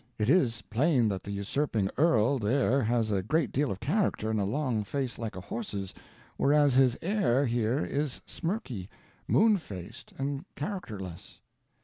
It is plain that the Usurping Earl there has a great deal of character and a long face like a horse's, whereas his heir here is smirky, moon faced and characterless."